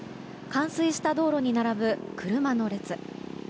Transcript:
冠水した道路に並ぶ車の列。